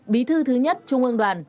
bí thư thứ nhất trung ương đoàn